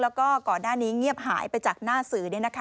แล้วก็ก่อนหน้านี้เงียบหายไปจากหน้าสื่อ